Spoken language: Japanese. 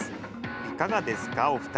いかがですかお二人？